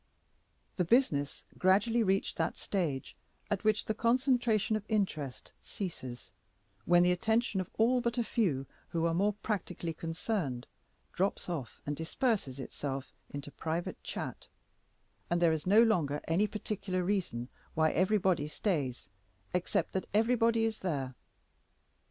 The business gradually reached that stage at which the concentration of interest ceases when the attention of all but a few who are more practically concerned drops off and disperses itself in private chat, and there is no longer any particular reason why everybody stays except that everybody is there.